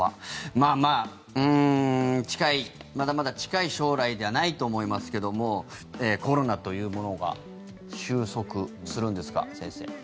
まあまあまだまだ近い将来ではないと思いますけどもコロナというものが収束するんですか、先生。